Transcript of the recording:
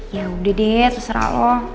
ya udah deh terserah loh